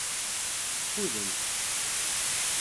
Ffudent.